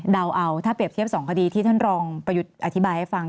เดาเอาถ้าเก็บ๒คดีที่ท่านรองอธิบายให้ฟัง